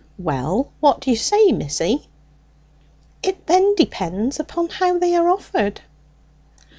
"Well, what do you say, Missie?" "It then depends upon how they are offered."